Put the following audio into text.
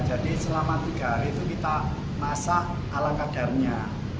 jadi selama tiga hari itu kita masak ala kadarnya